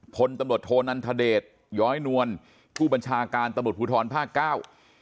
พลตำรวจโทนันทเดชย้อยนวลผู้บัญชาการตำรวจภูทรภาคเก้า